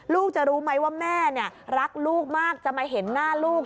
ลูกจะรู้ไหมว่าแม่รักลูกมากจะมาเห็นหน้าลูก